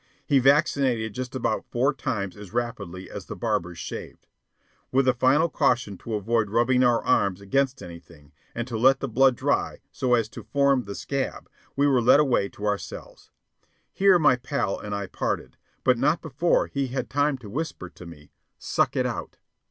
He vaccinated just about four times as rapidly as the barbers shaved. With a final caution to avoid rubbing our arms against anything, and to let the blood dry so as to form the scab, we were led away to our cells. Here my pal and I parted, but not before he had time to whisper to me, "Suck it out."